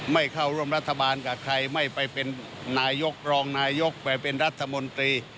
ไม่เข้าร่วมรัฐบาลกับใครไม่ไปเป็นนายกรองนายกไปเป็นรัฐมนตรี